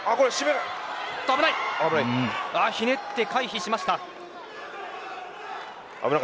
ひねって回避しました。